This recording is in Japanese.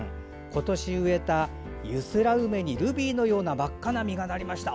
今年植えたユスラウメにルビーのような真っ赤な実がなりました。